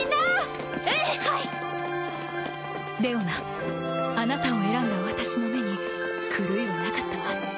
レオナあなたを選んだ私の目に狂いはなかったわ。